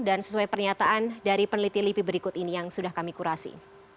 dan sesuai pernyataan dari peneliti livi berikut ini yang sudah kami kurasi